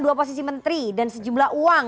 dua posisi menteri dan sejumlah uang